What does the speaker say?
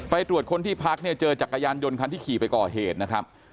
ตรวจคนที่พักเนี่ยเจอจักรยานยนต์คันที่ขี่ไปก่อเหตุนะครับ